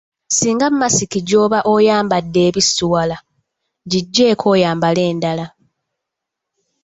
Singa masiki gy’oba oyambadde ebisiwala, giggyeeko oyambale endala.